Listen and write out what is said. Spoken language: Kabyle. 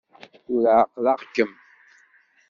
Tura ɛeqleɣ-kem!